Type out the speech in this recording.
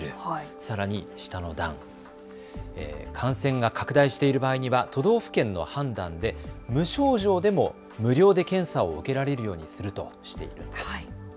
さらに下の段、感染が拡大している場合には都道府県の判断で無症状でも無料で検査を受けられるようにするとしているんです。